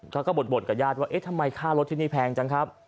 เขาก็บ่นกับญาติว่าเอ๊ะทำไมค่ารถที่นี่แพงจังครับ